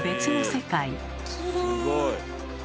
すごい。